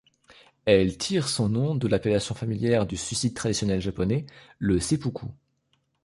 Elle tire son nom de l'appellation familière du suicide traditionnel japonais, le seppuku.